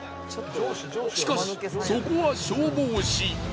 しかしそこは消防士。